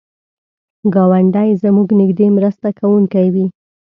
ګاونډی زموږ نږدې مرسته کوونکی وي